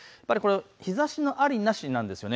日ざしのあり、なしなんです。